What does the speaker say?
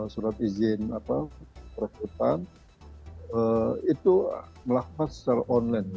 surat izin perekrutan itu melakukan secara online